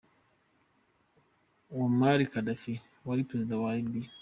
Muammar Gaddafi, wari Perezida wa Libya.